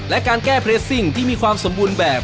และการแก้เรสซิ่งที่มีความสมบูรณ์แบบ